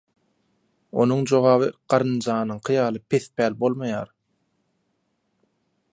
Onuň jogaby garynjanyňky ýaly pespäl bolmaýar.